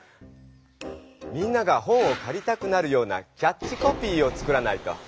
みんなが本をかりたくなるようなキャッチコピーを作らないと。